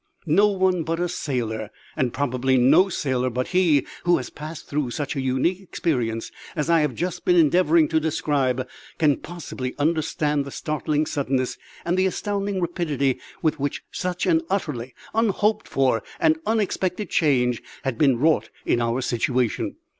No one but a sailor and probably no sailor but he who has passed through such an unique experience as I have just been endeavouring to describe can possibly understand the startling suddenness and the astounding rapidity with which such an utterly unhoped for and unexpected change had been wrought in our situation.